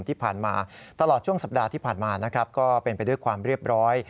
ที่ผ่านมาตลอดช่วงสัปดาห์ที่ผ่านมานะครับก็เป็นไปด้วยความเรียบร้อย